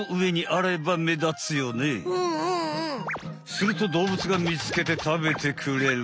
するとどうぶつがみつけてたべてくれる。